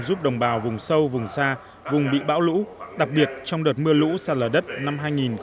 giúp đồng bào vùng sâu vùng xa vùng bị bão lũ đặc biệt trong đợt mưa lũ xa lờ đất năm hai nghìn một mươi bảy